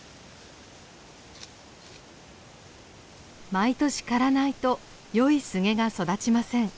毎年刈らないとよいスゲが育ちません。